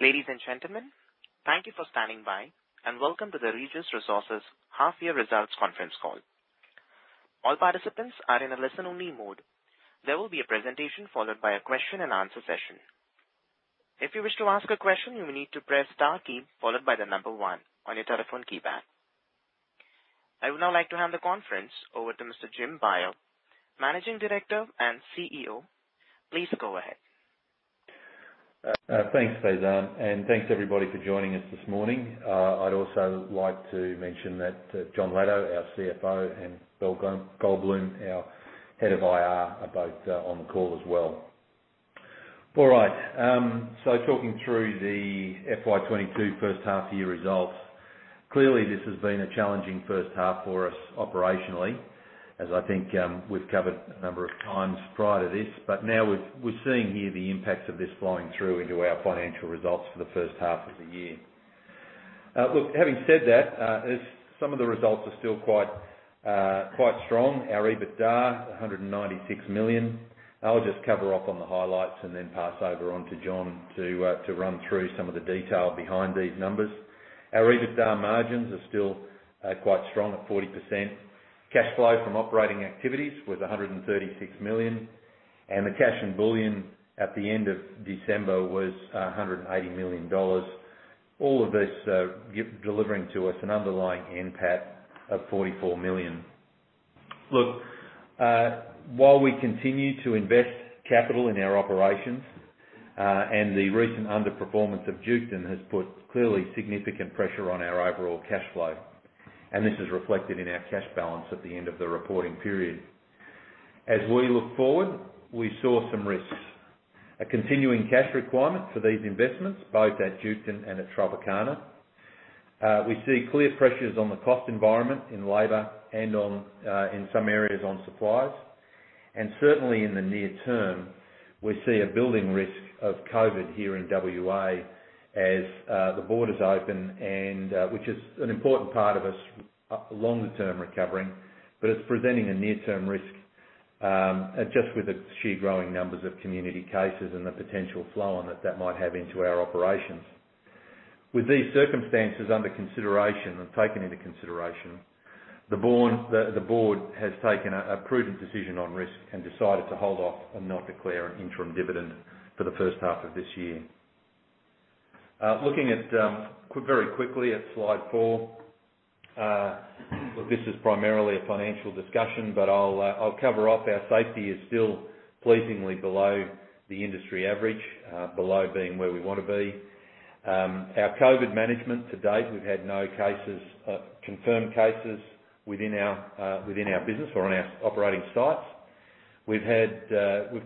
Ladies and gentlemen, thank you for standing by and welcome to the Regis Resources half year results conference call. All participants are in a listen only mode. There will be a presentation followed by a question and answer session. If you wish to ask a question, you will need to press star key followed by the number one on your telephone keypad. I would now like to hand the conference over to Mr. Jim Beyer, Managing Director and CEO. Please go ahead. Thanks, Faizan, and thanks everybody for joining us this morning. I'd also like to mention that Jon Latto, our CFO, and Ben Goldbloom, our head of IR, are both on the call as well. All right. Talking through the FY 2022 first half year results. Clearly this has been a challenging first half for us operationally, as I think we've covered a number of times prior to this, but now we're seeing here the impacts of this flowing through into our financial results for the first half of the year. Look, having said that, as some of the results are still quite strong, our EBITDA, 196 million. I'll just cover off on the highlights and then pass over to Jon to run through some of the detail behind these numbers. Our EBITDA margins are still quite strong at 40%. Cash flow from operating activities was 136 million, and the cash in bullion at the end of December was 180 million dollars. All of this delivering to us an underlying NPAT of 44 million. Look, while we continue to invest capital in our operations, and the recent underperformance of Duketon has put clearly significant pressure on our overall cash flow. This is reflected in our cash balance at the end of the reporting period. As we look forward, we saw some risks. A continuing cash requirement for these investments, both at Duketon and at Tropicana. We see clear pressures on the cost environment in labor and on, in some areas on suppliers. Certainly in the near term, we see a building risk of COVID here in WA as the borders open and which is an important part of us longer term recovering, but it's presenting a near-term risk just with the sheer growing numbers of community cases and the potential flow on that that might have into our operations. With these circumstances under consideration or taken into consideration, the board has taken a prudent decision on risk and decided to hold off and not declare an interim dividend for the first half of this year. Looking very quickly at slide four. This is primarily a financial discussion, but I'll cover off our safety is still pleasingly below the industry average, below being where we want to be. Our COVID management to date, we've had no cases, confirmed cases within our business or on our operating sites. We've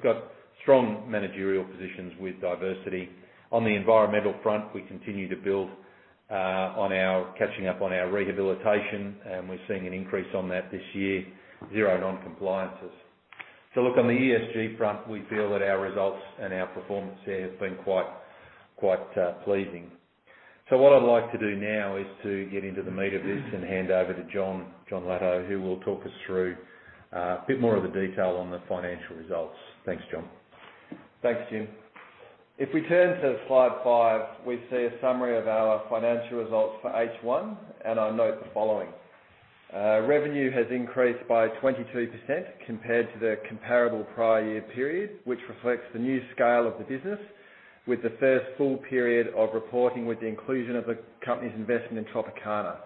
got strong managerial positions with diversity. On the environmental front, we continue to build on our catching up on our rehabilitation, and we're seeing an increase on that this year, 0 non-compliances. Look, on the ESG front, we feel that our results and our performance there has been quite pleasing. What I'd like to do now is to get into the meat of this and hand over to Jon Latto, who will talk us through a bit more of the detail on the financial results. Thanks, Jon. Thanks, Jim. If we turn to slide five, we see a summary of our financial results for H1, and I note the following. Revenue has increased by 22% compared to the comparable prior year period, which reflects the new scale of the business with the first full period of reporting with the inclusion of the company's investment in Tropicana.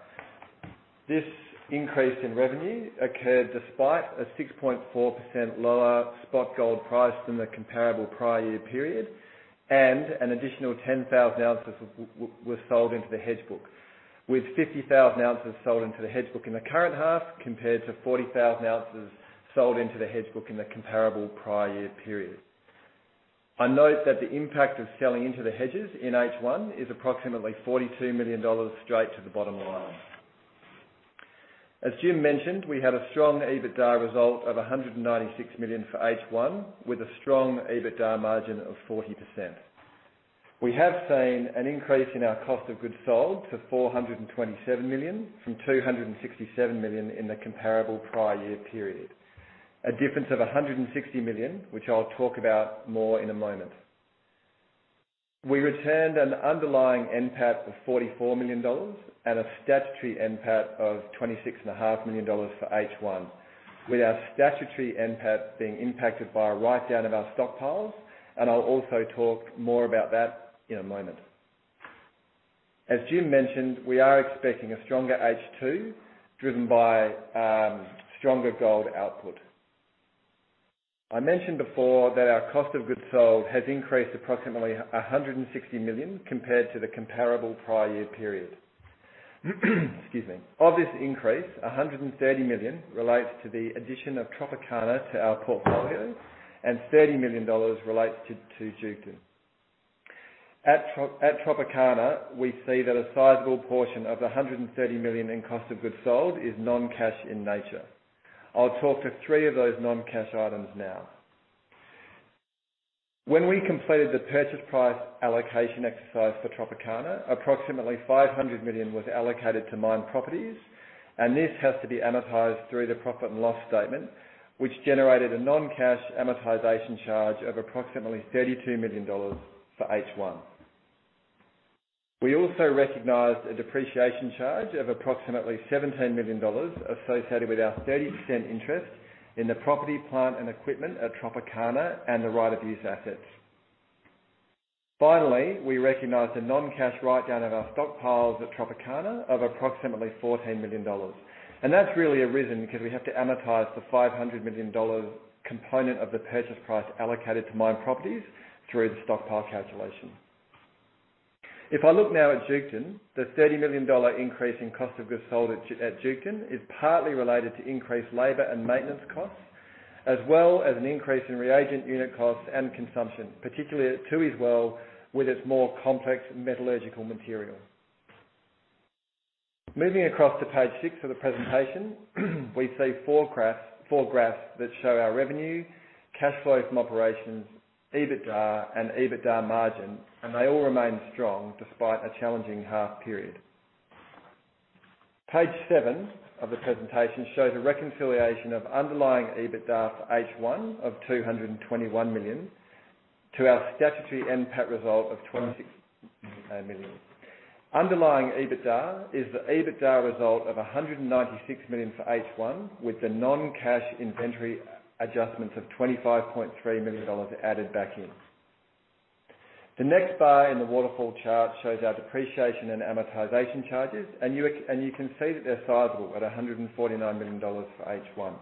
This increase in revenue occurred despite a 6.4% lower spot gold price than the comparable prior year period, and an additional 10,000 ounces was sold into the hedge book. With 50,000 ounces sold into the hedge book in the current half compared to 40,000 ounces sold into the hedge book in the comparable prior year period. I note that the impact of selling into the hedges in H1 is approximately 42 million dollars straight to the bottom line. As Jim mentioned, we have a strong EBITDA result of 196 million for H1, with a strong EBITDA margin of 40%. We have seen an increase in our cost of goods sold to 427 million from 267 million in the comparable prior year period. A difference of 160 million, which I'll talk about more in a moment. We returned an underlying NPAT of 44 million dollars and a statutory NPAT of 26.5 million dollars for H1. With our statutory NPAT being impacted by a write-down of our stockpiles, and I'll also talk more about that in a moment. As Jim mentioned, we are expecting a stronger H2 driven by stronger gold output. I mentioned before that our cost of goods sold has increased approximately 160 million compared to the comparable prior year period. Excuse me. Of this increase, 130 million relates to the addition of Tropicana to our portfolio, and 30 million dollars relates to Duketon. At Tropicana, we see that a sizable portion of the 130 million in cost of goods sold is non-cash in nature. I'll talk to three of those non-cash items now. When we completed the purchase price allocation exercise for Tropicana, approximately 500 million was allocated to mine properties, and this has to be amortized through the profit and loss statement, which generated a non-cash amortization charge of approximately 32 million dollars for H1. We also recognized a depreciation charge of approximately 17 million dollars associated with our 30% interest in the property plant and equipment at Tropicana and the right-of-use assets. Finally, we recognized a non-cash write-down of our stockpiles at Tropicana of approximately 14 million dollars. And that's really arisen because we have to amortize the 500 million dollars component of the purchase price allocated to mine properties through the stockpile calculation. If I look now at Duketon, the 30 million dollar increase in cost of goods sold at Duketon is partly related to increased labor and maintenance costs, as well as an increase in reagent unit costs and consumption, particularly at Tooheys Well, with its more complex metallurgical material. Moving across to page six of the presentation, we see four graphs that show our revenue, cash flow from operations, EBITDA and EBITDA margin, and they all remain strong despite a challenging half period. Page seven of the presentation shows a reconciliation of underlying EBITDA for H1 of 221 million to our statutory NPAT result of 26 million. Underlying EBITDA is the EBITDA result of 196 million for H1, with the non-cash inventory adjustments of 25.3 million dollars added back in. The next bar in the waterfall chart shows our depreciation and amortization charges, and you can see that they're sizable at 149 million dollars for H1.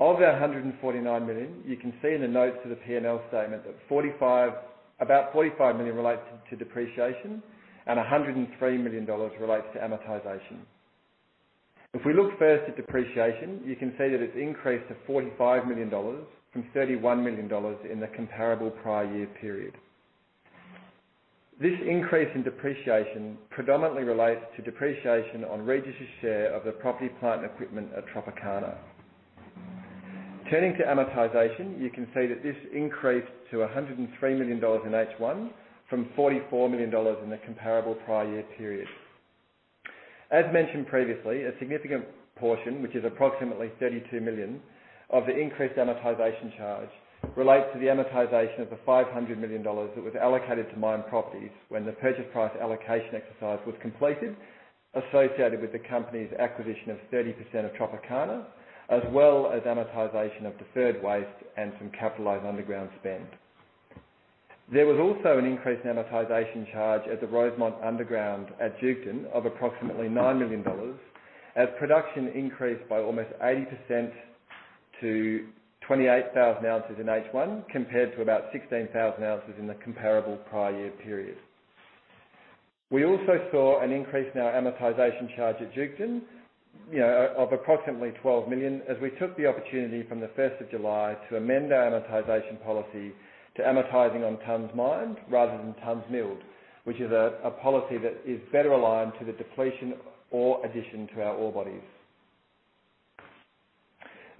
Of the 149 million, you can see in the notes to the P&L statement that about 45 million relates to depreciation and 103 million dollars relates to amortization. If we look first at depreciation, you can see that it's increased to 45 million dollars from 31 million dollars in the comparable prior year period. This increase in depreciation predominantly relates to depreciation on Regis' share of the property, plant and equipment at Tropicana. Turning to amortization, you can see that this increased to 103 million dollars in H1 from 44 million dollars in the comparable prior year period. As mentioned previously, a significant portion, which is approximately 32 million of the increased amortization charge, relates to the amortization of the 500 million dollars that was allocated to mine properties when the purchase price allocation exercise was completed, associated with the company's acquisition of 30% of Tropicana, as well as amortization of deferred waste and some capitalized underground spend. There was also an increased amortization charge at the Rosemont underground at Duketon of approximately 9 million dollars, as production increased by almost 80% to 28,000 ounces in H1 compared to about 16,000 ounces in the comparable prior year period. We also saw an increase in our amortization charge at Duketon, you know, of approximately 12 million as we took the opportunity from the first of July to amend our amortization policy to amortizing on tons mined rather than tons milled, which is a policy that is better aligned to the depletion or addition to our ore bodies.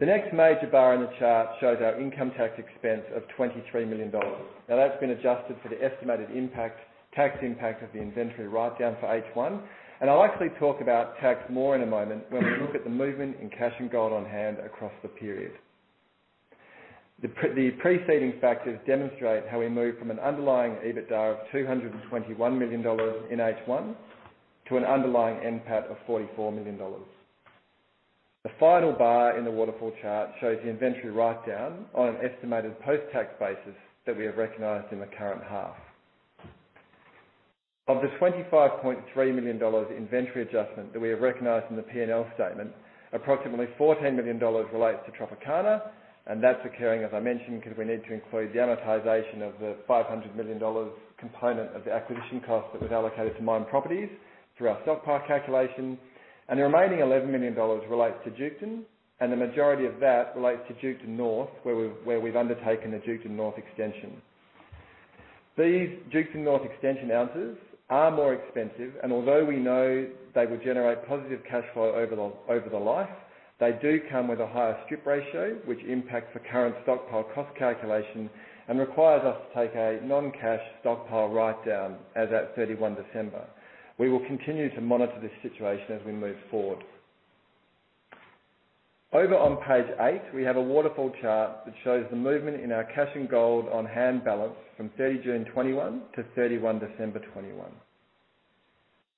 The next major bar in the chart shows our income tax expense of 23 million dollars. Now, that's been adjusted for the estimated impact, tax impact of the inventory write down for H1. I'll actually talk about tax more in a moment when we look at the movement in cash and gold on hand across the period. The preceding factors demonstrate how we moved from an underlying EBITDA of 221 million dollars in H1 to an underlying NPAT of 44 million dollars. The final bar in the waterfall chart shows the inventory write down on an estimated post-tax basis that we have recognized in the current half. Of the 25.3 million dollars inventory adjustment that we have recognized in the P&L statement, approximately 14 million dollars relates to Tropicana, and that's occurring, as I mentioned, because we need to include the amortization of the 500 million dollars component of the acquisition cost that was allocated to mine properties through our stockpile calculation. The remaining 11 million dollars relates to Duketon, and the majority of that relates to Duketon North, where we've undertaken the Duketon North extension. These Duketon North extension ounces are more expensive, and although we know they will generate positive cash flow over the life, they do come with a higher strip ratio, which impacts the current stockpile cost calculation and requires us to take a non-cash stockpile write down as at 31 December. We will continue to monitor this situation as we move forward. Over on page eight, we have a waterfall chart that shows the movement in our cash and gold on hand balance from 30 June 2021 to 31 December 2021.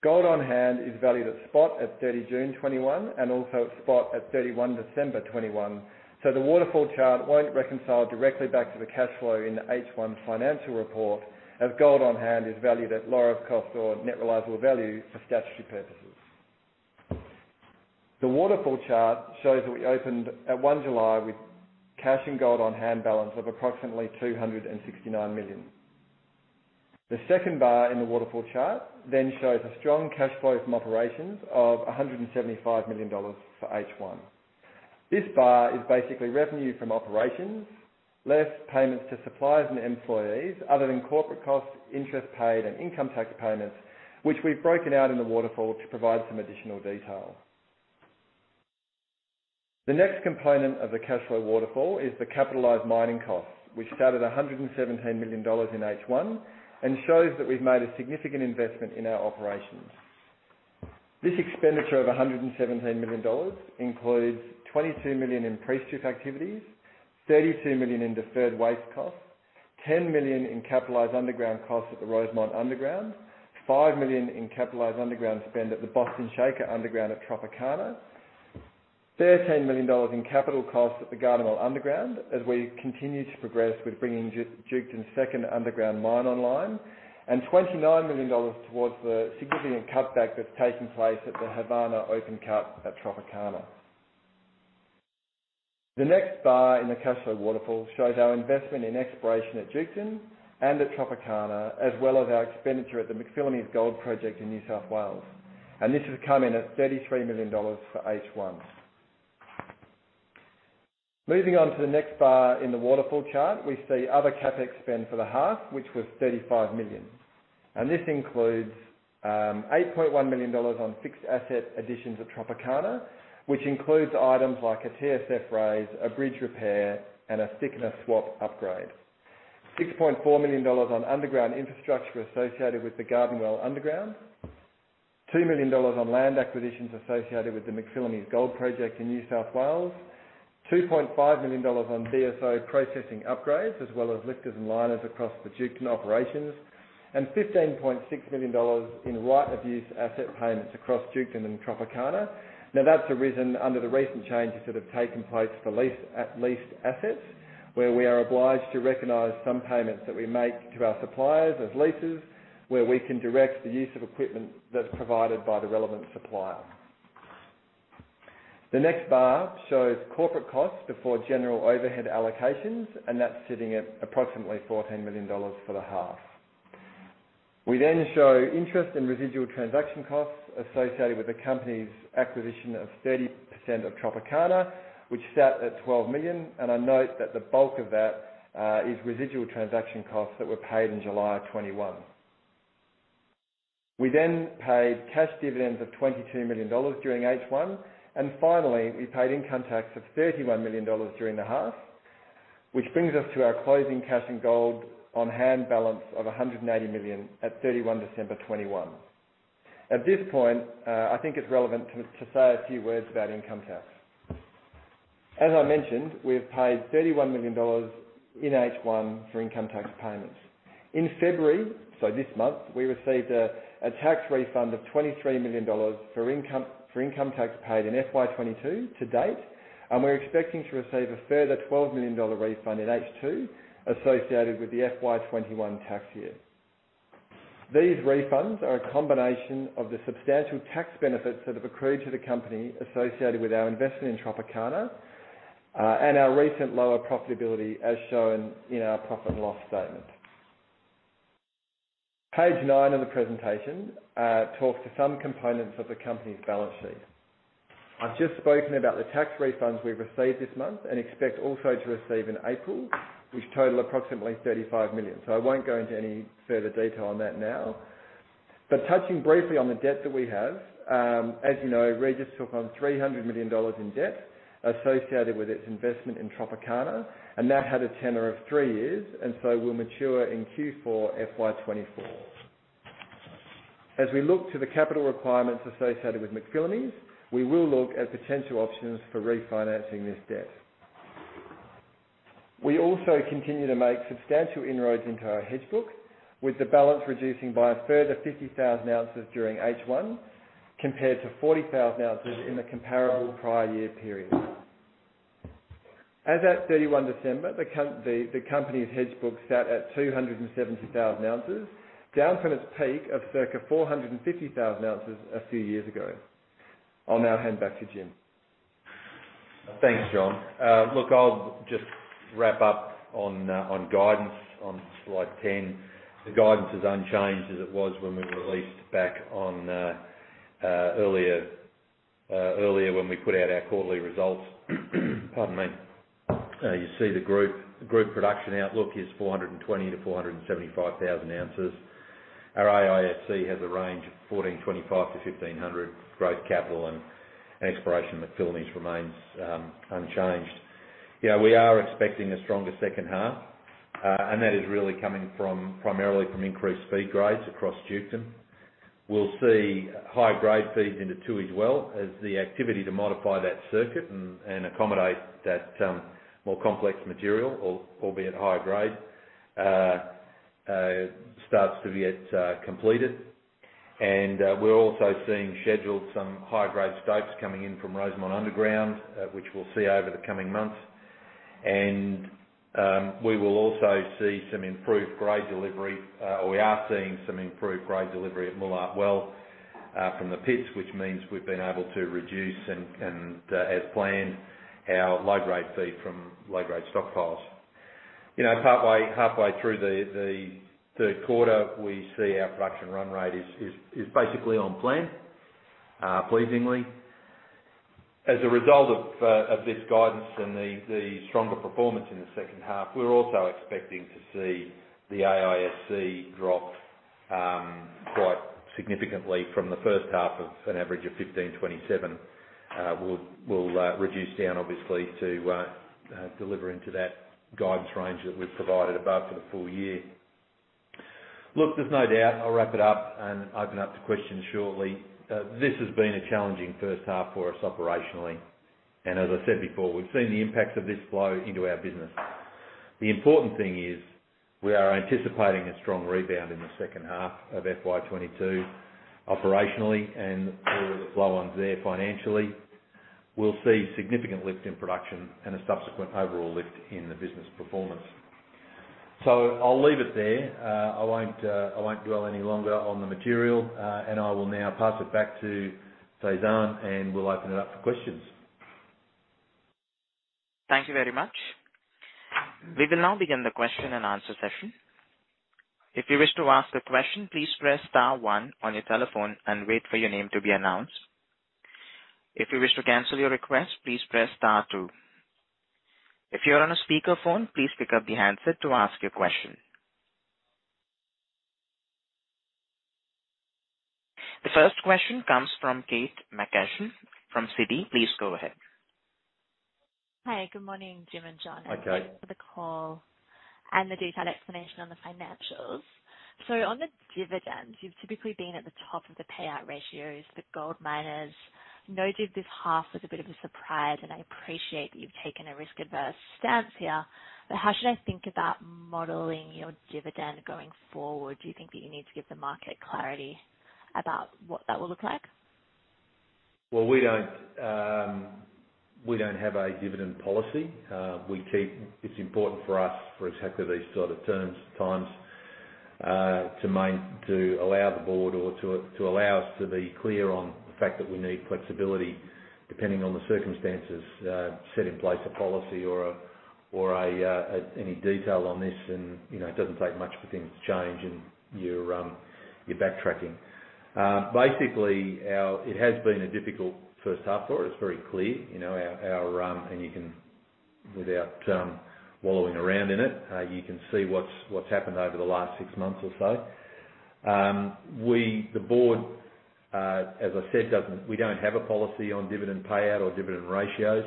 Gold on hand is valued at spot at 30 June 2021 and also at spot at 31 December 2021. The waterfall chart won't reconcile directly back to the cash flow in the H1 financial report, as gold on hand is valued at lower cost or net realizable value for statutory purposes. The waterfall chart shows that we opened at 1 July with cash and gold on hand balance of approximately 269 million. The second bar in the waterfall chart then shows a strong cash flow from operations of 175 million dollars for H1. This bar is basically revenue from operations, less payments to suppliers and employees other than corporate costs, interest paid, and income tax payments, which we've broken out in the waterfall to provide some additional detail. The next component of the cash flow waterfall is the capitalized mining costs, which start at AUD 117 million in H1 and shows that we've made a significant investment in our operations. This expenditure of 117 million dollars includes 22 million in pre-strip activities, 32 million in deferred waste costs, 10 million in capitalized underground costs at the Rosemont underground, 5 million in capitalized underground spend at the Boston Shaker underground at Tropicana, 13 million dollars in capital costs at the Garden Well underground as we continue to progress with bringing Duketon second underground mine online, and 29 million dollars towards the significant cutback that's taking place at the Havana open cut at Tropicana. The next bar in the cash flow waterfall shows our investment in exploration at Duketon and at Tropicana, as well as our expenditure at the McPhillamys Gold Project in New South Wales. This has come in at 33 million dollars for H1. Moving on to the next bar in the waterfall chart, we see other CapEx spend for the half, which was 35 million. This includes 8.1 million dollars on fixed asset additions at Tropicana, which includes items like a TSF raise, a bridge repair, and a thickness swap upgrade. 6.4 million dollars on underground infrastructure associated with the Garden Well underground. 2 million dollars on land acquisitions associated with the McPhillamys Gold Project in New South Wales. 2.5 million dollars on DSO processing upgrades, as well as lifters and liners across the Duketon operations, and 15.6 million dollars in right of use asset payments across Duketon and Tropicana. Now, that's arisen under the recent changes that have taken place for lease, leased assets, where we are obliged to recognize some payments that we make to our suppliers as leases, where we can direct the use of equipment that's provided by the relevant supplier. The next bar shows corporate costs before general overhead allocations, and that's sitting at approximately 14 million dollars for the half. We then show interest and residual transaction costs associated with the company's acquisition of 30% of Tropicana, which sat at 12 million, and I note that the bulk of that, is residual transaction costs that were paid in July of 2021. We then paid cash dividends of 22 million dollars during H1, and finally, we paid income tax of 31 million dollars during the half, which brings us to our closing cash and gold on hand balance of 180 million at 31 December 2021. At this point, I think it's relevant to say a few words about income tax. As I mentioned, we've paid 31 million dollars in H1 for income tax payments. In February, so this month, we received a tax refund of 23 million dollars for income tax paid in FY 2022 to date, and we're expecting to receive a further 12 million dollar refund in H2 associated with the FY 2021 tax year. These refunds are a combination of the substantial tax benefits that have accrued to the company associated with our investment in Tropicana and our recent lower profitability as shown in our profit and loss statement. Page nine of the presentation talks to some components of the company's balance sheet. I've just spoken about the tax refunds we've received this month and expect also to receive in April, which total approximately 35 million. I won't go into any further detail on that now. Touching briefly on the debt that we have, as you know, Regis took on 300 million dollars in debt associated with its investment in Tropicana, and that had a tenure of three years, and so will mature in Q4 FY 2024. As we look to the capital requirements associated with McPhillamys, we will look at potential options for refinancing this debt. We also continue to make substantial inroads into our hedge book, with the balance reducing by a further 50,000 ounces during H1 compared to 40,000 ounces in the comparable prior year period. As at 31 December, the company's hedge book sat at 270,000 ounces, down from its peak of circa 450,000 ounces a few years ago. I'll now hand back to Jim. Thanks, John. Look, I'll just wrap up on guidance on slide 10. The guidance is unchanged as it was when we released back on earlier when we put out our quarterly results. Pardon me. You see the group production outlook is 420,000-475,000 ounces. Our AISC has a range of 1,425-1,500. Growth capital and exploration at McPhillamys remains unchanged. You know, we are expecting a stronger second half, and that is really coming from primarily from increased feed grades across Duketon. We'll see high-grade feeds into Tooheys Well as the activity to modify that circuit and accommodate that more complex material albeit higher grade starts to get completed. We're also seeing some scheduled high-grade stopes coming in from Rosemont underground, which we'll see over the coming months. We will also see some improved grade delivery. We are seeing some improved grade delivery at Moolart Well, from the pits, which means we've been able to reduce and, as planned, our low-grade feed from low-grade stockpiles. You know, partway, halfway through the third quarter, we see our production run rate is basically on plan, pleasingly. As a result of this guidance and the stronger performance in the second half, we're also expecting to see the AISC drop quite significantly from the first half of an average of 1,527. We'll reduce down obviously to deliver into that guidance range that we've provided above for the full year. Look, there's no doubt, I'll wrap it up and open up to questions shortly. This has been a challenging first half for us operationally. As I said before, we've seen the impacts of this flow into our business. The important thing is we are anticipating a strong rebound in the second half of FY 2022 operationally, and all of the flow-ons there financially. We'll see significant lift in production and a subsequent overall lift in the business performance. I'll leave it there. I won't dwell any longer on the material. I will now pass it back to Sazan, and we'll open it up for questions. Thank you very much. We will now begin the question and answer session. If you wish to ask a question, please press star one on your telephone and wait for your name to be announced. If you wish to cancel your request, please press star two. If you're on a speakerphone, please pick up the handset to ask your question. The first question comes from Kate McCutcheon from Citi. Please go ahead. Hi, good morning, Jim and Jon. Hi, Kate. Thanks for the call and the detailed explanation on the financials. On the dividends, you've typically been at the top of the payout ratios for gold miners. No div this half was a bit of a surprise, and I appreciate that you've taken a risk-averse stance here. How should I think about modeling your dividend going forward? Do you think that you need to give the market clarity about what that will look like? Well, we don't have a dividend policy. It's important for us, for exactly these sort of times, to allow us to be clear on the fact that we need flexibility depending on the circumstances, set in place a policy or any detail on this and, you know, it doesn't take much for things to change, and you're backtracking. Basically, it has been a difficult first half for us. It's very clear. You know, without wallowing around in it, you can see what's happened over the last six months or so. We, the board, as I said, don't have a policy on dividend payout or dividend ratios.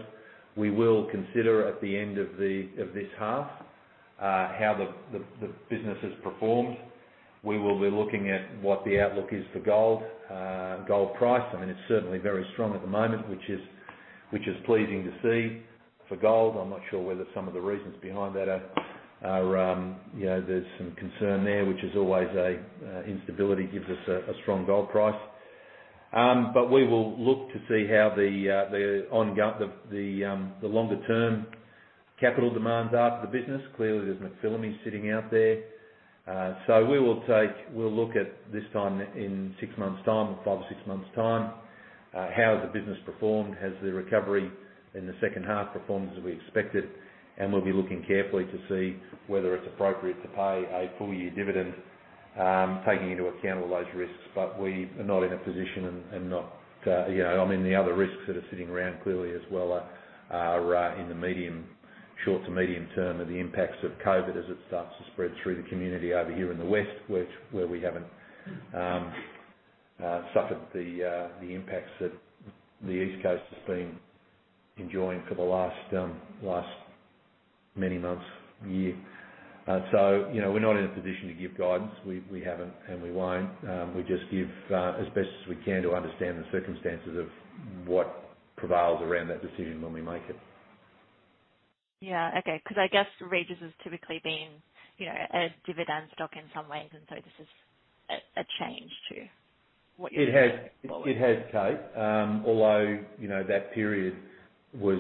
We will consider at the end of this half how the business has performed. We will be looking at what the outlook is for gold price. I mean, it's certainly very strong at the moment, which is pleasing to see for gold. I'm not sure whether some of the reasons behind that are you know, there's some concern there, which is always a instability gives us a strong gold price. But we will look to see how the ongoing longer term capital demands are for the business. Clearly, there's McPhillamys sitting out there. So we'll look at this time in six months' time, or five or six months' time, how has the business performed? Has the recovery in the second half performed as we expected? We'll be looking carefully to see whether it's appropriate to pay a full year dividend, taking into account all those risks. We are not in a position and not, you know. I mean, the other risks that are sitting around clearly as well are in the medium, short to medium term are the impacts of COVID as it starts to spread through the community over here in the west, which where we haven't suffered the impacts that the East Coast has been enjoying for the last many months, year. You know, we're not in a position to give guidance. We haven't and we won't. We just give as best as we can to understand the circumstances of what prevails around that decision when we make it. Yeah. Okay. 'Cause I guess Regis has typically been, you know, a dividend stock in some ways, and so this is a change to what you- It has. were looking for. It has, Kate. Although, you know, that period was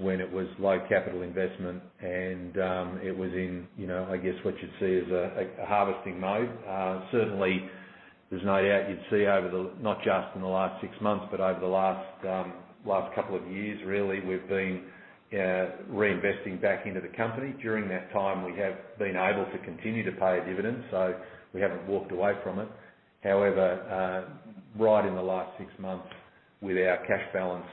when it was low capital investment and it was in, you know, I guess what you'd say is a harvesting mode. Certainly there's no doubt you'd see, not just in the last six months, but over the last couple of years really, we'd been reinvesting back into the company. During that time, we have been able to continue to pay a dividend, so we haven't walked away from it. However, right in the last six months, with our cash balance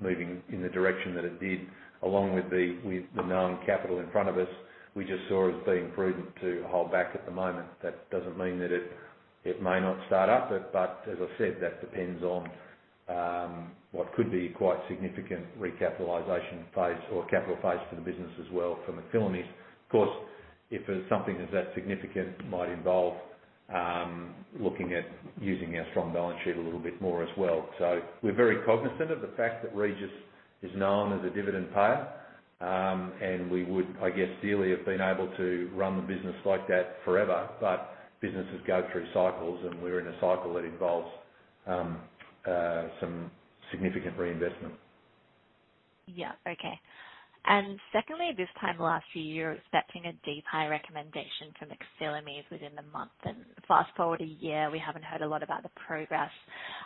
moving in the direction that it did, along with the known capital in front of us, we just saw it as being prudent to hold back at the moment. That doesn't mean that it may not start up. As I said, that depends on what could be quite significant recapitalization phase or capital phase for the business as well for McPhillamys. Of course, if something is that significant might involve looking at using our strong balance sheet a little bit more as well. We're very cognizant of the fact that Regis is known as a dividend payer, and we would, I guess, dearly have been able to run the business like that forever, but businesses go through cycles, and we're in a cycle that involves some significant reinvestment. Yeah. Okay. Secondly, this time last year, you were expecting a IPC recommendation from McPhillamys within the month. Fast forward a year, we haven't heard a lot about the progress.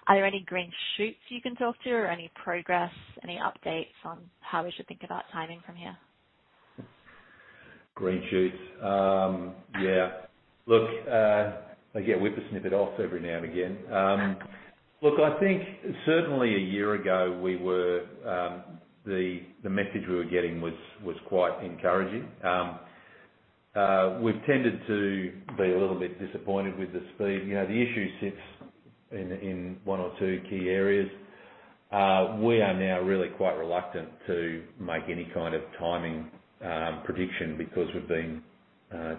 Are there any green shoots you can talk to or any progress, any updates on how we should think about timing from here? Green shoots. Yeah. Look, again, whip a snippet off every now and again. Look, I think certainly a year ago the message we were getting was quite encouraging. We've tended to be a little bit disappointed with the speed. You know, the issue sits in one or two key areas. We are now really quite reluctant to make any kind of timing prediction because we've been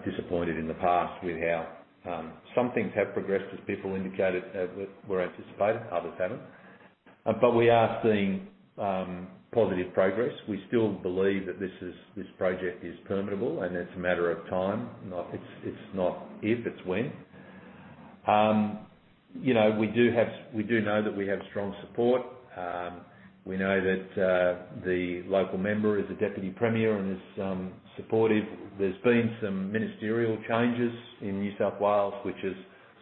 disappointed in the past with how some things have progressed as people indicated, whereas others haven't. We are seeing positive progress. We still believe that this project is permissible, and it's a matter of time. It's not if, it's when. You know, we do know that we have strong support. We know that the local member is a deputy premier and is supportive. There's been some ministerial changes in New South Wales which has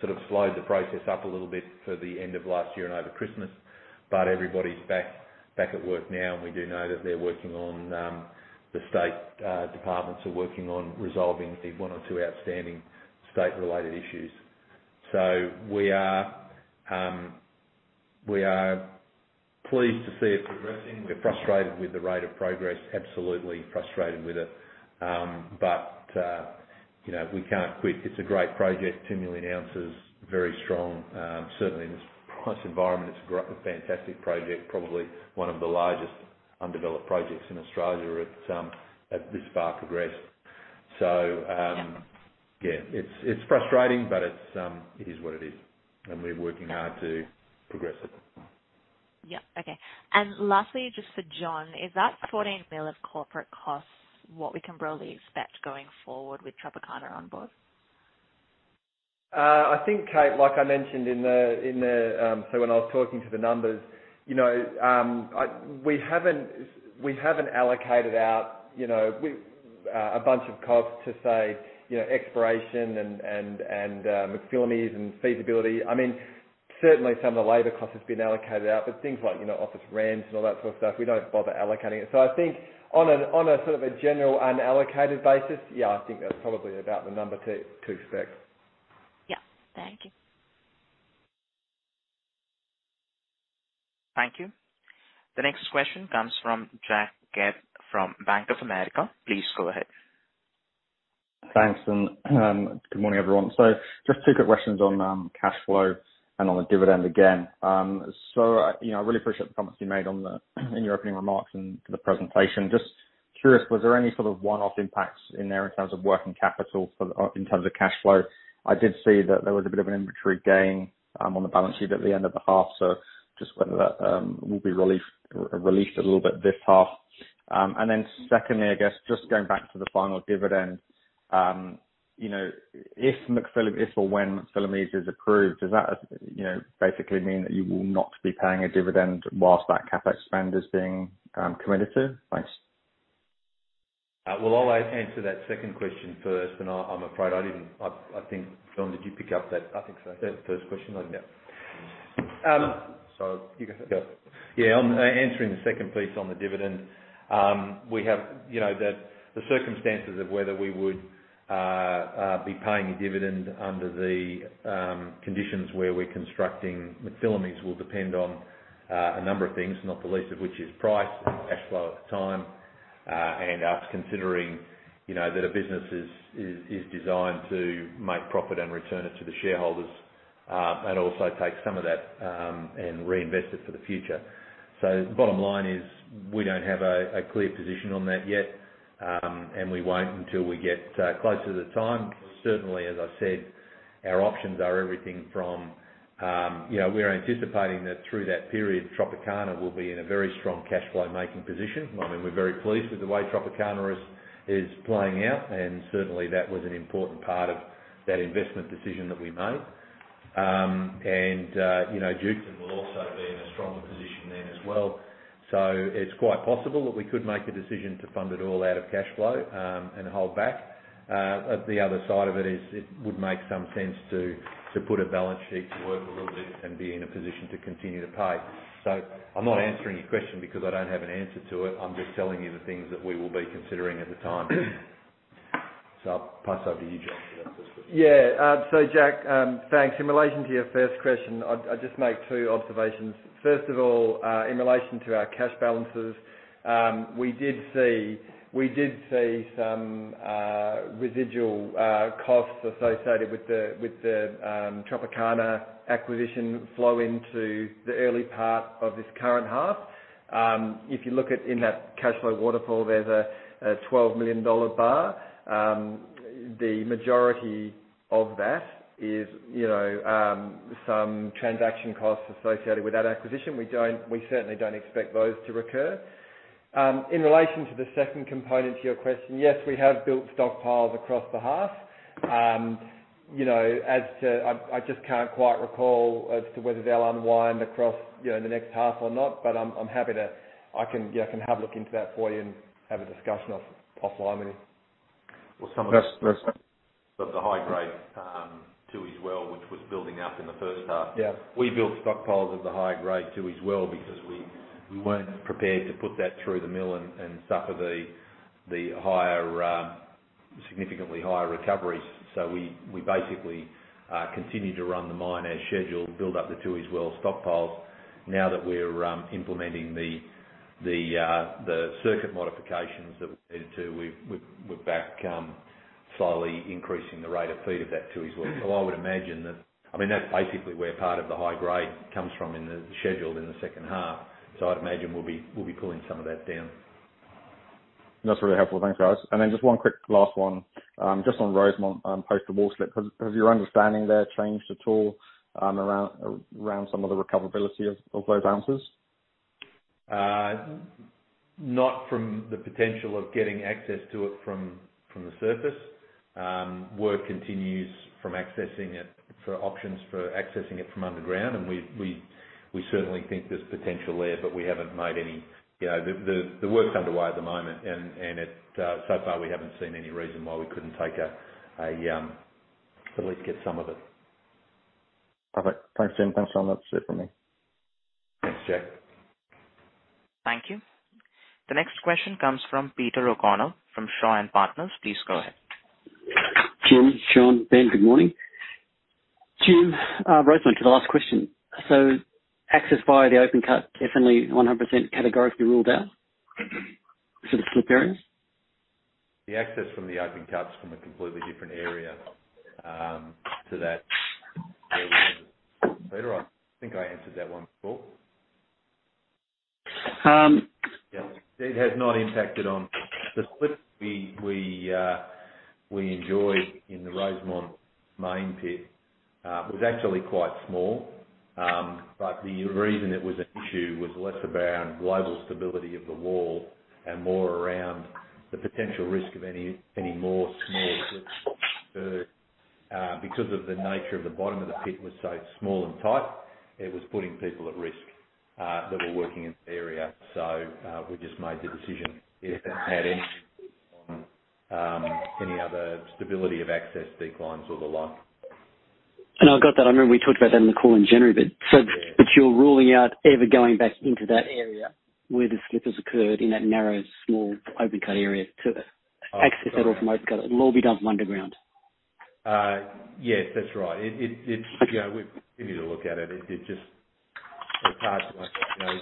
sort of slowed the process up a little bit for the end of last year and over Christmas, but everybody's back at work now, and we do know that the state departments are working on resolving the one or two outstanding state-related issues. We are pleased to see it progressing. We're frustrated with the rate of progress, absolutely frustrated with it. You know, we can't quit. It's a great project, 2 million ounces, very strong. Certainly in this price environment, it's a fantastic project, probably one of the largest undeveloped projects in Australia at this far progressed. Yeah, it's frustrating, but it is what it is, and we're working hard to progress it. Yeah. Okay. Lastly, just for John, is that 14 million of corporate costs what we can really expect going forward with Tropicana on board? I think, Kate, like I mentioned in the, so when I was talking to the numbers, you know, we haven't allocated out, you know, a bunch of costs to say, you know, exploration and McPhillamys and feasibility. I mean, certainly some of the labor cost has been allocated out. Things like, you know, office rents and all that sort of stuff, we don't bother allocating it. I think on a, on a sort of a general unallocated basis, yeah, I think that's probably about the number to expect. Yeah. Thank you. Thank you. The next question comes from Jack Kidd from Bank of America. Please go ahead. Thanks, good morning, everyone. Just two quick questions on cash flow and on the dividend again. You know, I really appreciate the comments you made on the in your opening remarks and the presentation. Just curious, was there any sort of one-off impacts in there in terms of working capital for the in terms of cash flow? I did see that there was a bit of an inventory gain on the balance sheet at the end of the half. Just whether that will be released a little bit this half. Then secondly, I guess just going back to the final dividend, you know, if or when McPhillamys is approved, does that basically mean that you will not be paying a dividend whilst that CapEx spend is being committed to? Thanks. Well, I'll answer that second question first, and I'm afraid I didn't. I think, John, did you pick up that? I think so. That first question? Yeah. Um, so. You go ahead. Yeah. Yeah, on answering the second piece on the dividend, we have, you know that the circumstances of whether we would be paying a dividend under the conditions where we're constructing McPhillamys will depend on a number of things, not the least of which is price, cash flow at the time, and us considering, you know, that a business is designed to make profit and return it to the shareholders, and also take some of that and reinvest it for the future. The bottom line is we don't have a clear position on that yet, and we won't until we get closer to the time. Certainly, as I said, our options are everything from, you know, we're anticipating that through that period, Tropicana will be in a very strong cash flow making position. I mean, we're very pleased with the way Tropicana is playing out, and certainly that was an important part of that investment decision that we made. You know, Duketon will also be in a stronger position then as well. It's quite possible that we could make a decision to fund it all out of cash flow, and hold back. The other side of it is it would make some sense to put a balance sheet to work a little bit and be in a position to continue to pay. I'm not answering your question because I don't have an answer to it. I'm just telling you the things that we will be considering at the time. I'll pass over to you, Jon, for that first question. Yeah. So Jack, thanks. In relation to your first question, I'd just make two observations. First of all, in relation to our cash balances, we did see some residual costs associated with the Tropicana acquisition flow into the early part of this current half. If you look at that cash flow waterfall, there's a $12 million bar. The majority of that is, you know, some transaction costs associated with that acquisition. We don't. We certainly don't expect those to recur. In relation to the second component to your question, yes, we have built stockpiles across the half. You know, as to whether I just can't quite recall as to whether they'll unwind across, you know, in the next half or not, but I'm happy to. I can, yeah, have a look into that for you and have a discussion offline with you. Well, some of the That's. Of the high grade, Tooheys Well, which was building up in the first half. Yeah. We built stockpiles of the high grade Tooheys Well because we weren't prepared to put that through the mill and suffer the higher, significantly higher recoveries. We basically continued to run the mine as scheduled, build up the Tooheys Well stockpiles. Now that we're implementing the circuit modifications that we needed to, we're back slowly increasing the rate of feed of that to as well. I would imagine that. I mean, that's basically where part of the high grade comes from in the schedule in the second half. I'd imagine we'll be pulling some of that down. That's really helpful. Thanks, guys. Just one quick last one. Just on Rosemont, post the wall slip. Has your understanding there changed at all, around some of the recoverability of those assets? Not from the potential of getting access to it from the surface. Work continues on accessing it for options for accessing it from underground. We certainly think there's potential there, but we haven't made any, you know. The work's underway at the moment, and so far, we haven't seen any reason why we couldn't at least get some of it. Perfect. Thanks, Jim. Thanks, Jon. That's it from me. Thanks, Jack. Thank you. The next question comes from Peter O'Connor from Shaw and Partners. Please go ahead. Jim, John, Ben, good morning. Jim, response to the last question. Access via the open cut definitely 100% categorically ruled out for the slip areas? The access from the open cut's from a completely different area, to that. I think I answered that one before. Um- It has not impacted on the slip we enjoyed in the Rosemont main pit. It was actually quite small. The reason it was an issue was less around global stability of the wall and more around the potential risk of any more small slips. Because of the nature of the bottom of the pit was so small and tight, it was putting people at risk that were working in the area. We just made the decision. It hadn't had any other stability of access declines or the like. No, I got that. I remember we talked about that in the call in January. Yeah. You're ruling out ever going back into that area where the slip has occurred in that narrow, small, open cut area? Oh, got it. Access that open cut. It'll all be done from underground. Yes, that's right. It's, you know, we need to look at it. It's just hard to like, you know.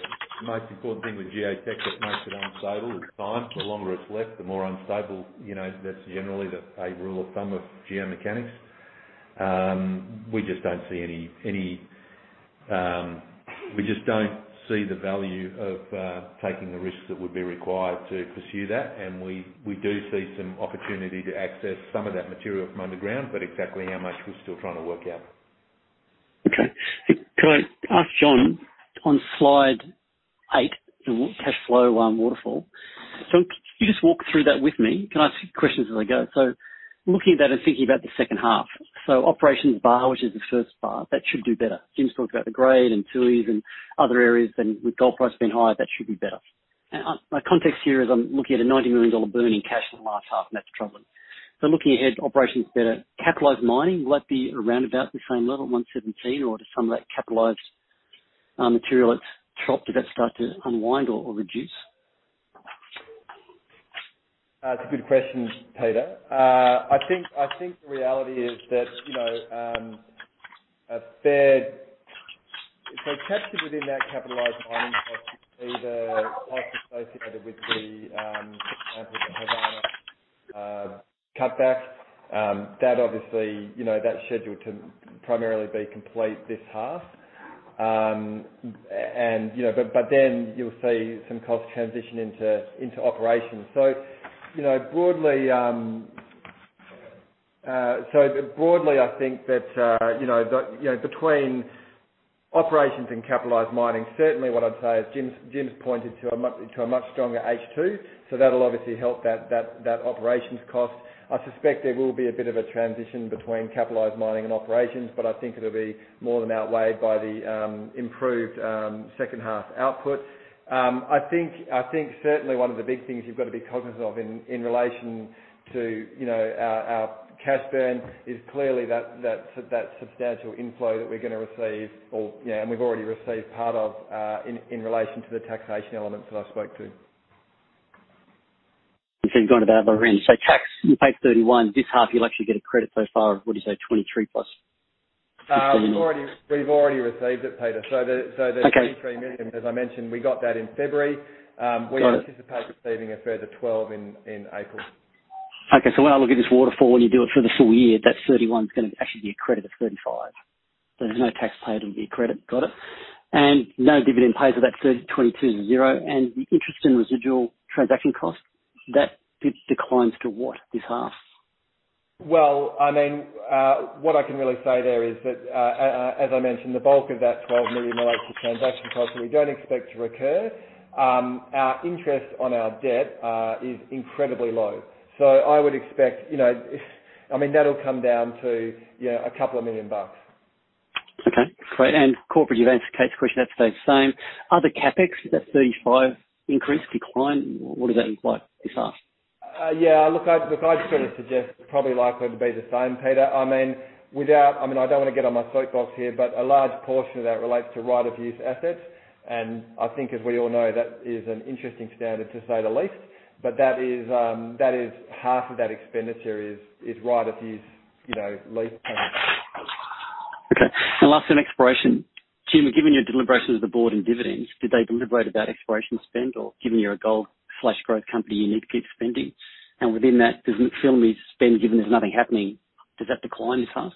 The most important thing with geotech that makes it unstable is time. The longer it's left, the more unstable, you know. That's generally a rule of thumb of geomechanics. We just don't see the value of taking the risks that would be required to pursue that. We do see some opportunity to access some of that material from underground, but exactly how much we're still trying to work out. Okay. Can I ask Jon on slide eight, the cash flow waterfall. Can you just walk through that with me? Can I ask you questions as I go? Looking at that and thinking about the second half. Operations bar, which is the first bar, that should do better. Jim's talked about the grade and 2Ds and other areas, and with gold price being higher, that should be better. My context here is I'm looking at a 90 million dollar burn in cash in the last half, and that's a problem. Looking ahead, operations better. Capitalized mining, will that be around about the same level, 117 million, or does some of that capitalized material it's dropped, does that start to unwind or reduce? It's a good question, Peter. I think the reality is that, you know, captured within that capitalized mining cost is the costs associated with the sample at Havana cutback. That obviously, you know, that's scheduled to primarily be complete this half. You know, then you'll see some costs transition into operations. You know, broadly, I think that, you know, between operations and capitalized mining, certainly what I'd say is Jim's pointed to a much stronger H2, so that'll obviously help that operations cost. I suspect there will be a bit of a transition between capitalized mining and operations, but I think it'll be more than outweighed by the improved second half output. I think certainly one of the big things you've got to be cognizant of in relation to, you know, our cash burn is clearly that substantial inflow that we're gonna receive or, you know, and we've already received part of in relation to the taxation elements that I spoke to. You've gone about it by range. Tax, you paid 31%. This half, you'll actually get a credit so far of, what is that, 23%+? We've already received it, Peter. Okay. 23 million, as I mentioned, we got that in February. Got it. We anticipate receiving a further 12 April. Okay. When I look at this waterfall, and you do it for the full year, that AUD 31's gonna actually be a credit of 35. There's no tax paid, it'll be a credit. Got it. No dividend paid for that third, 22-0. The interest and residual transaction costs, that bit declines to what this half? Well, I mean, what I can really say there is that, as I mentioned, the bulk of that 12 million relates to transaction costs that we don't expect to recur. Our interest on our debt is incredibly low. I would expect, you know, that'll come down to, you know, a couple of million bucks. Okay, great. Corporate, you've answered Kate's question, that stays the same. Other CapEx, that 35% increase, decline, what does that imply this half? Yeah, look, I'd sort of suggest probably likely to be the same, Peter. I mean, I don't want to get on my soapbox here, but a large portion of that relates to right-of-use assets. I think as we all know, that is an interesting standard to say the least. That is, half of that expenditure is right-of-use, you know, lease payments. Okay. Last on exploration. Jim, given your deliberations of the board and dividends, did they deliberate about exploration spend or given you're a gold/growth company, you need to keep spending? Within that, does McPhillamys spend, given there's nothing happening, does that decline this fast?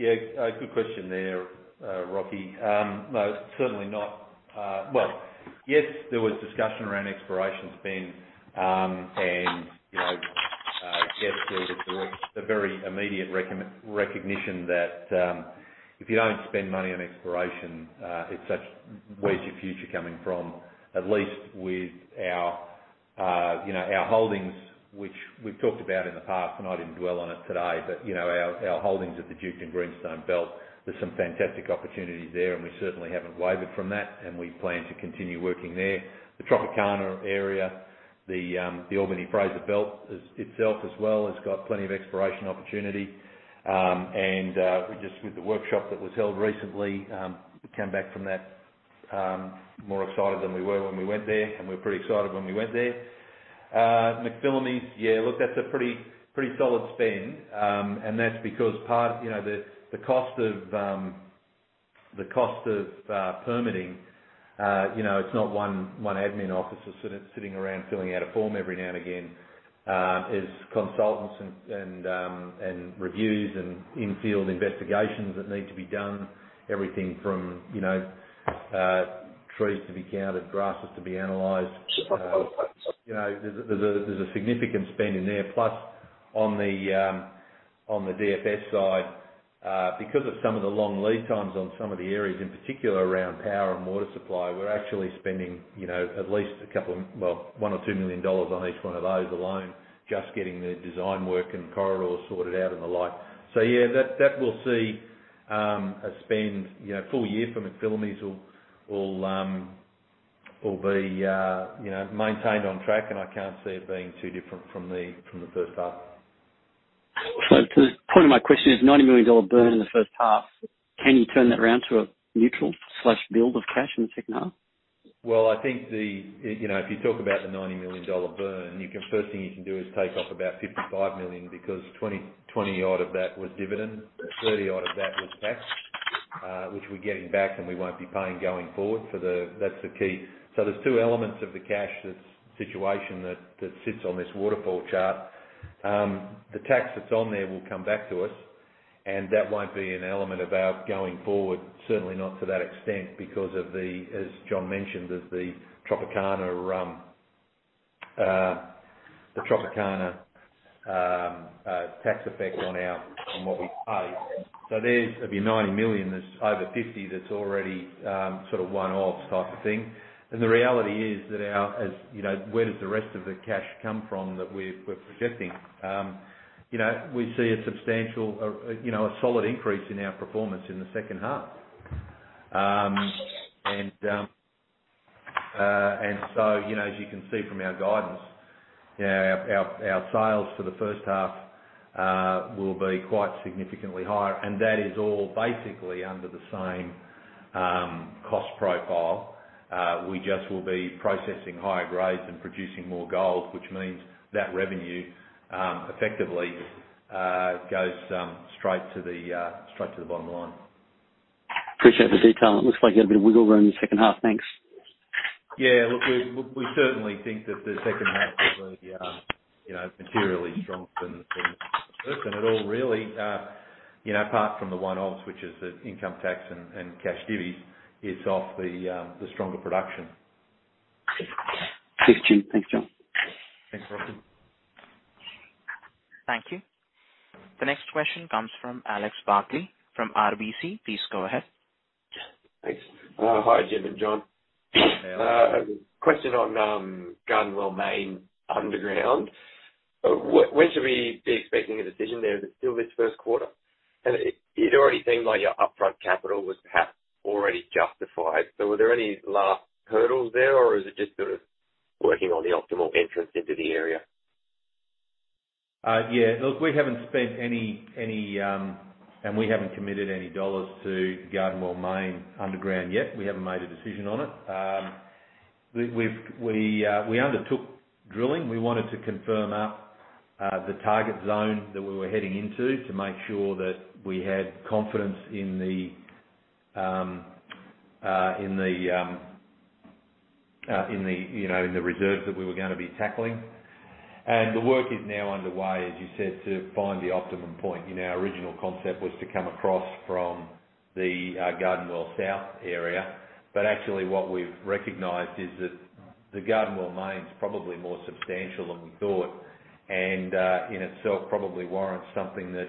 Yeah. Good question there, Rocky. No, certainly not. Well, yes, there was discussion around exploration spend, and, you know, yes, there was a very immediate recognition that, if you don't spend money on exploration, it's such. Where's your future coming from? At least with our, you know, our holdings, which we've talked about in the past, and I didn't dwell on it today, but, you know, our holdings at the Duketon Greenstone Belt, there's some fantastic opportunities there, and we certainly haven't wavered from that, and we plan to continue working there. The Tropicana area, the Albany-Fraser Belt itself as well has got plenty of exploration opportunity. We just... With the workshop that was held recently, we came back from that, more excited than we were when we went there, and we were pretty excited when we went there. McPhillamys, yeah, look, that's a pretty solid spend. That's because part, you know, the cost of permitting, you know, it's not one admin officer sitting around filling out a form every now and again. It's consultants and reviews and in-field investigations that need to be done. Everything from, you know, trees to be counted, grasses to be analyzed. You know, there's a significant spend in there, plus on the DFS side. Because of some of the long lead times on some of the areas, in particular around power and water supply, we're actually spending, you know, at least a couple of 1 or 2 million dollars on each one of those alone, just getting the design work and corridors sorted out and the like. That will see a spend, you know, full year for McPhillamys will be maintained on track, and I can't see it being too different from the first half. To the point of my question, is 90 million dollar burn in the first half? Can you turn that around to a neutral or build of cash in the second half? Well, I think you know, if you talk about the 90 million dollar burn, you can first thing you can do is take off about 55 million because 20 odd of that was dividend. 30 odd of that was tax, which we're getting back, and we won't be paying going forward for the. That's the key. There's two elements of the cash situation that sits on this waterfall chart. The tax that's on there will come back to us, and that won't be an element of our going forward, certainly not to that extent because of the, as John mentioned, the Tropicana tax effect on our, on what we pay. There's of your 90 million, there's over 50 that's already sort of one-offs type of thing. The reality is that our, as you know, where does the rest of the cash come from that we're projecting? You know, we see a solid increase in our performance in the second half. You know, as you can see from our guidance, our sales for the first half will be quite significantly higher. That is all basically under the same cost profile. We just will be processing higher grades and producing more gold, which means that revenue effectively goes straight to the bottom line. Appreciate the detail, and it looks like you have a bit of wiggle room in the second half. Thanks. Yeah. Look, we certainly think that the second half will be materially stronger than the first. It all really apart from the one-offs, which is the income tax and cash dividends, is off the back of the stronger production. Cheers. Thanks, Jim. Thanks, Jon. Thanks, Rocky. Thank you. The next question comes from Alex Barkley from RBC. Please go ahead. Thanks. Hi, Jim and John. Hey, Alex. A question on Garden Well Mine underground. When should we be expecting a decision there? Is it still this first quarter? It already seems like your upfront capital was perhaps already justified. Are there any last hurdles there, or is it just sort of working on the optimal entrance into the area? Yeah. Look, we haven't spent any and we haven't committed any dollars to Garden Well Mine underground yet. We haven't made a decision on it. We've undertaken drilling. We wanted to confirm the target zone that we were heading into to make sure that we had confidence in the, you know, in the reserves that we were gonna be tackling. The work is now underway, as you said, to find the optimum point. You know, our original concept was to come across from the Garden Well South area. Actually what we've recognized is that the Garden Well Mine's probably more substantial than we thought and in itself probably warrants something that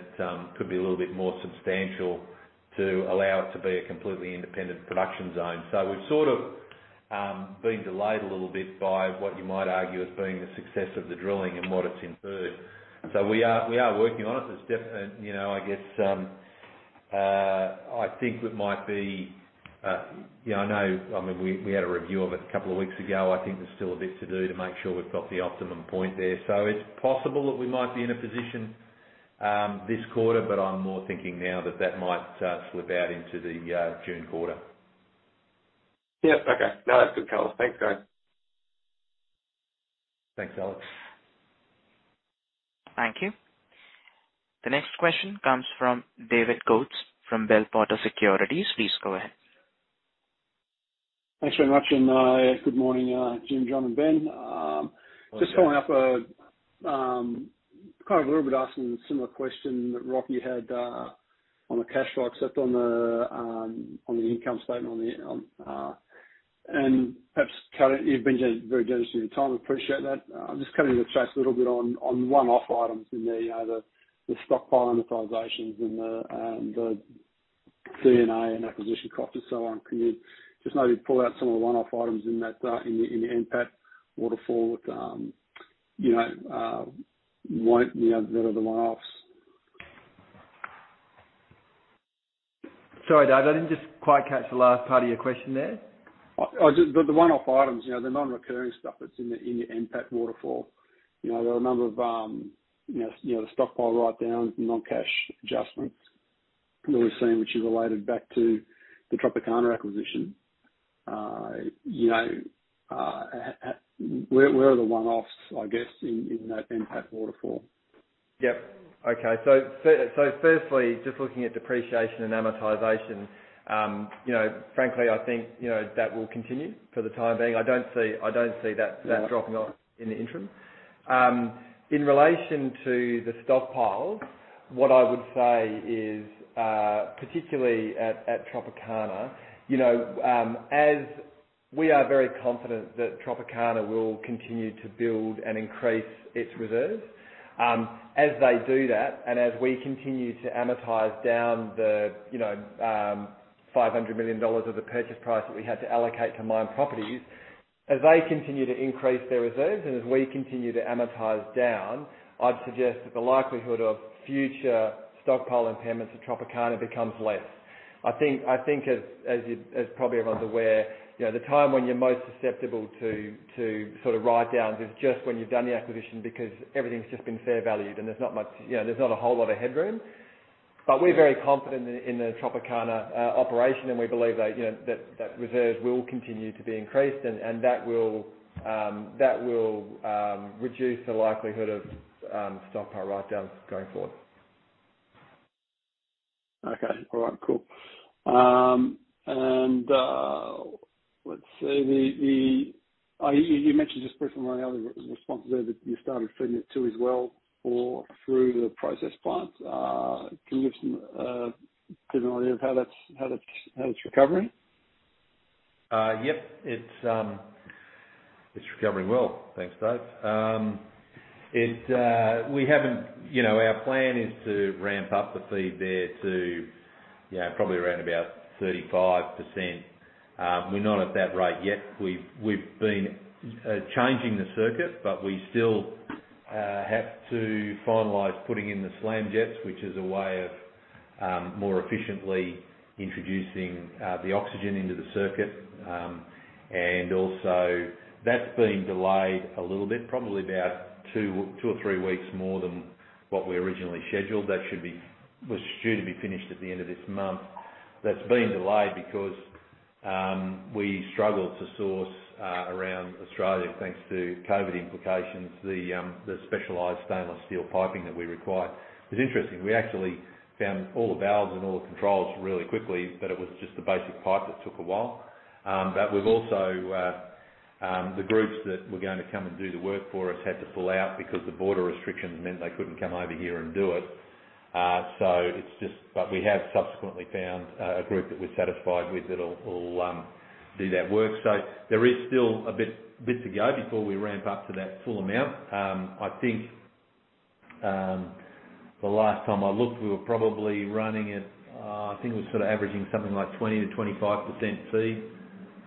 could be a little bit more substantial to allow it to be a completely independent production zone. We've sort of been delayed a little bit by what you might argue as being the success of the drilling and what it's inferred. We are working on it. And, you know, I guess, I think it might be, yeah, I know. I mean, we had a review of it a couple of weeks ago. I think there's still a bit to do to make sure we've got the optimum point there. It's possible that we might be in a position this quarter, but I'm more thinking now that that might slip out into the June quarter. Yeah. Okay. No, that's good color. Thanks, guys. Thanks, Alex. Thank you. The next question comes from David Coates from Bell Potter Securities. Please go ahead. Thanks very much. Good morning, Jim, Jon, and Ben. Just following up, kind of a little bit asking a similar question that Rocky had on the cash flow, except on the income statement, and perhaps current. You've been very generous with your time. Appreciate that. I'm just cutting to the chase a little bit on one-off items in there. You know, the stockpile amortizations and the D&A and acquisition cost and so on. Can you just maybe pull out some of the one-off items in that, in the NPAT waterfall with, you know, what you know, the other one-offs? Sorry, Dave, I didn't just quite catch the last part of your question there. The one-off items, you know, the non-recurring stuff that's in the NPAT waterfall. You know, there are a number of, you know, the stockpile write-downs and non-cash adjustments that we've seen, which is related back to the Tropicana acquisition. You know, where are the one-offs, I guess, in that NPAT waterfall? First, just looking at depreciation and amortization, you know, frankly, I think, you know, that will continue for the time being. I don't see that dropping off in the interim. In relation to the stockpile, what I would say is, particularly at Tropicana, you know, as we are very confident that Tropicana will continue to build and increase its reserves. As they do that, and as we continue to amortize down the 500 million dollars of the purchase price that we had to allocate to mine properties, as they continue to increase their reserves and as we continue to amortize down, I'd suggest that the likelihood of future stockpile impairments at Tropicana becomes less. I think as probably everyone's aware, you know, the time when you're most susceptible to sort of write down is just when you've done the acquisition because everything's just been fair valued and there's not much, you know, there's not a whole lot of headroom. We're very confident in the Tropicana operation, and we believe that, you know, that reserves will continue to be increased and that will reduce the likelihood of stockpile write-downs going forward. Okay. All right. Cool. Let's see. You mentioned just briefly in one of the other responses there that you started feeding it too as well or through the process plant. Can you give an idea of how that's recovering? Yep. It's recovering well. Thanks, Dave. You know, our plan is to ramp up the feed there to, you know, probably around about 35%. We're not at that rate yet. We've been changing the circuit, but we still have to finalize putting in the SlamJets, which is a way of more efficiently introducing the oxygen into the circuit. Also, that's been delayed a little bit, probably about two or three weeks more than what we originally scheduled. That was due to be finished at the end of this month. That's been delayed because we struggled to source around Australia, thanks to COVID implications, the specialized stainless steel piping that we require. It's interesting. We actually found all the valves and all the controls really quickly, but it was just the basic pipe that took a while. The groups that were gonna come and do the work for us had to pull out because the border restrictions meant they couldn't come over here and do it. We have subsequently found a group that we're satisfied with that will do that work. There is still a bit to go before we ramp up to that full amount. I think the last time I looked, we were probably running at, I think it was sort of averaging something like 20%-25% feed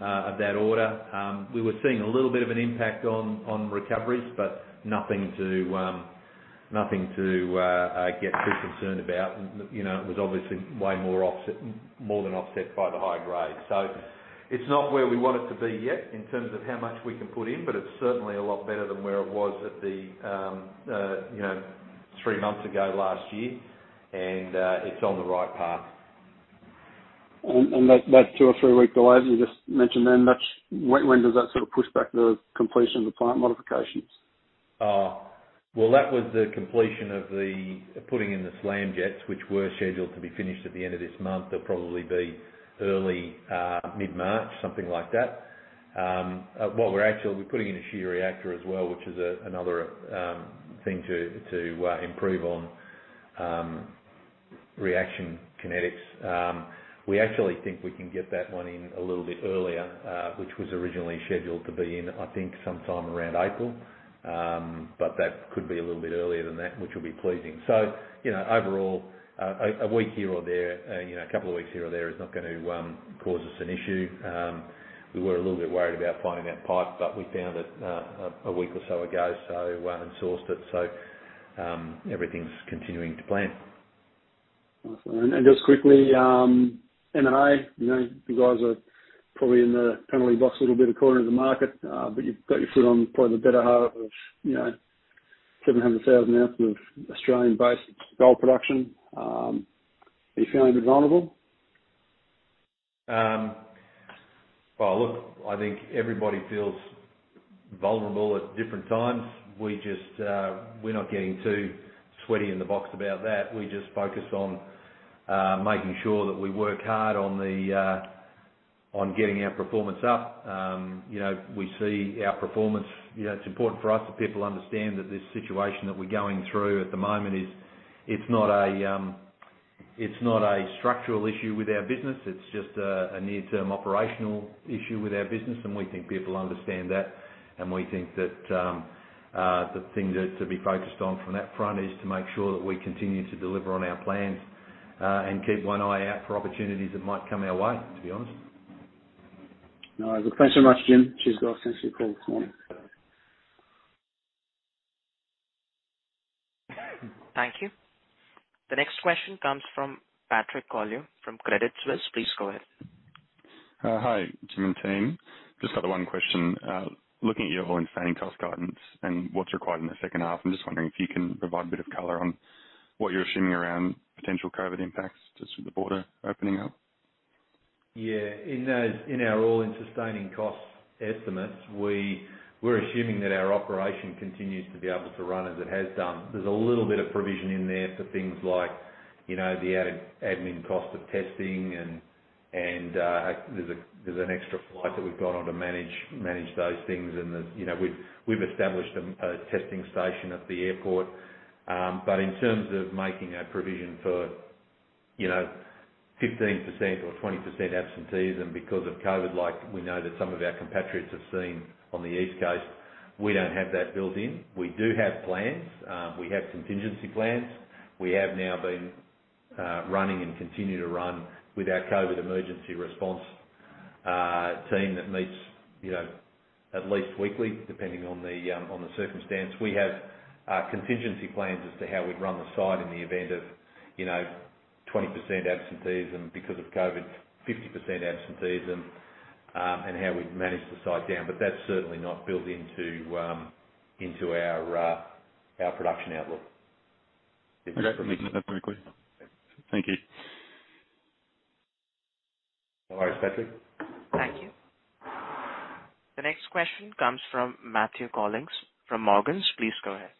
of that order. We were seeing a little bit of an impact on recoveries, but nothing to get too concerned about. You know, it was obviously way more offset, more than offset by the high grade. It's not where we want it to be yet in terms of how much we can put in, but it's certainly a lot better than where it was three months ago last year. It's on the right path. That two or three-week delay that you just mentioned then, when does that sort of push back the completion of the plant modifications? Well, that was the completion of the putting in the SlamJets, which were scheduled to be finished at the end of this month. They'll probably be early, mid-March, something like that. We're putting in a shear reactor as well, which is another thing to improve on reaction kinetics. We actually think we can get that one in a little bit earlier, which was originally scheduled to be in, I think, sometime around April. That could be a little bit earlier than that, which will be pleasing. You know, overall, a week here or there, you know, a couple of weeks here or there is not gonna cause us an issue. We were a little bit worried about finding that pipe, but we found it a week or so ago, so sourced it. Everything's continuing to plan. Awesome. Just quickly, NI, you know, you guys are probably in the penalty box a little bit, a quarter of the market, but you've got your foot on probably the better half of 700,000 ounces of Australian-based gold production. Are you feeling a bit vulnerable? Well, look, I think everybody feels vulnerable at different times. We just, we're not getting too sweaty in the box about that. We just focus on making sure that we work hard on getting our performance up. You know, we see our performance. You know, it's important for us that people understand that this situation that we're going through at the moment is not a structural issue with our business. It's just a near-term operational issue with our business, and we think people understand that. We think that the thing that to be focused on from that front is to make sure that we continue to deliver on our plans and keep one eye out for opportunities that might come our way, to be honest. No. Look, thanks very much, Jim. Cheers. Thank you. The next question comes from Patrick Collier from Credit Suisse. Please go ahead. Hi, Jim and team. Just had one question. Looking at your all-in sustaining cost guidance and what's required in the second half, I'm just wondering if you can provide a bit of color on what you're assuming around potential COVID impacts just with the border opening up. Yeah. In those, in our all-in sustaining costs estimates, we're assuming that our operation continues to be able to run as it has done. There's a little bit of provision in there for things like, you know, the added admin cost of testing and there's an extra flight that we've gone on to manage those things. You know, we've established a testing station at the airport. But in terms of making a provision for, you know, 15% or 20% absenteeism because of COVID, like we know that some of our compatriots have seen on the East Coast, we don't have that built in. We do have plans. We have contingency plans. We have now been running and continue to run with our COVID emergency response team that meets, you know, at least weekly, depending on the circumstance. We have contingency plans as to how we'd run the site in the event of, you know, 20% absenteeism because of COVID, 50% absenteeism, and how we'd manage the site down. That's certainly not built into our production outlook. Okay. That's my question. Thank you. No worries, Patrick. Thank you. The next question comes from Matthew Collins from Morgans. Please go ahead.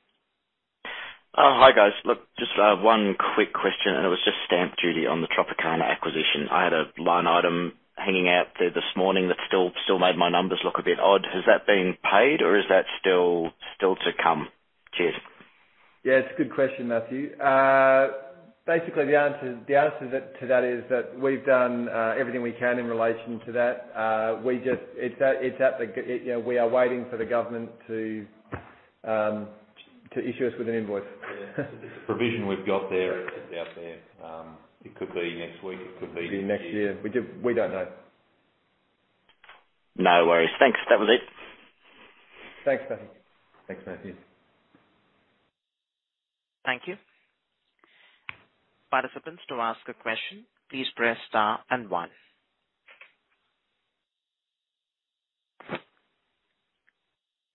Oh, hi, guys. Look, just one quick question. It was just stamp duty on the Tropicana acquisition. I had a line item hanging out there this morning that still made my numbers look a bit odd. Has that been paid or is that still to come? Cheers. Yeah, it's a good question, Matthew. Basically, the answer to that is that we've done everything we can in relation to that. You know, we are waiting for the government to issue us with an invoice. The provision we've got there is out there. It could be next week. It could be next year. It could be next year. We don't know. No worries. Thanks. That was it. Thanks, Matthew. Thanks, Matthew. Thank you. Participants, to ask a question, please press star and one.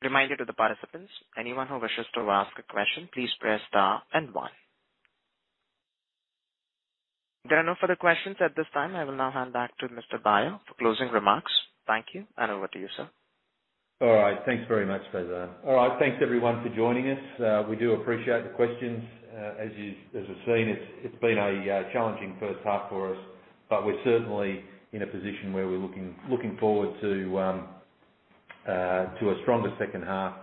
Reminder to the participants, anyone who wishes to ask a question, please press star and one. There are no further questions at this time. I will now hand back to Mr. Beyer for closing remarks. Thank you, and over to you, sir. All right. Thanks very much for that. All right. Thanks, everyone for joining us. We do appreciate the questions. As you've seen, it's been a challenging first half for us. We're certainly in a position where we're looking forward to a stronger second half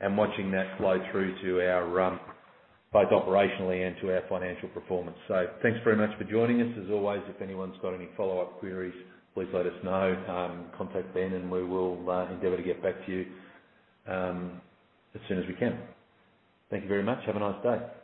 and watching that flow through to our both operationally and to our financial performance. Thanks very much for joining us as always. If anyone's got any follow-up queries, please let us know. Contact Ben, and we will endeavor to get back to you as soon as we can. Thank you very much. Have a nice day.